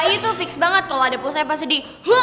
itu fix banget kalo ada pulsa pasti di